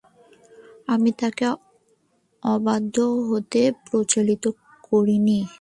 আমি তাকে অবাধ্য হতে প্ররোচিত করিনি।